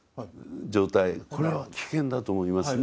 これは危険だと思いますね。